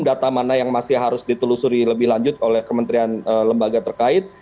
data mana yang masih harus ditelusuri lebih lanjut oleh kementerian lembaga terkait